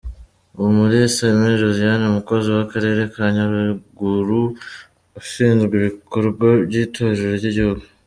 Umulisa Aimée Josiane umukozi w’Akarere ka Nyaruguru ushinzwe ibikorwa by’itorero ry’Igihugu.